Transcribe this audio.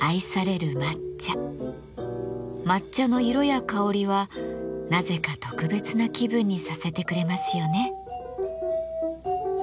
抹茶の色や香りはなぜか特別な気分にさせてくれますよね。